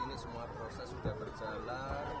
ini semua proses sudah berjalan